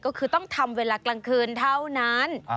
ก็คือต้องทำเวลากลางคืนเท่านั้น